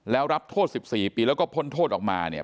แล้วรับโทษ๑๔ปีแล้วก็พ้นโทษออกมาเนี่ย